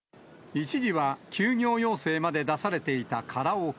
一時は休業要請まで出されていたカラオケ。